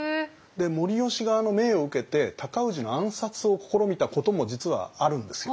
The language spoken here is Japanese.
護良側の命を受けて尊氏の暗殺を試みたことも実はあるんですよ。